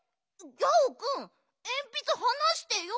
ギャオくんえんぴつはなしてよ。